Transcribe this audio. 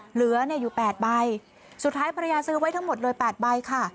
เหลือเนี่ยอยู่๘ใบสุดท้ายภรรยาซื้อไว้ทั้งหมดเลย๘ใบค่ะ